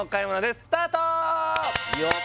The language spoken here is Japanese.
スタート